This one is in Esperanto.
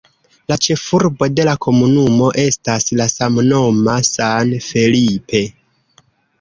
La ĉefurbo de la komunumo estas la samnoma San Felipe.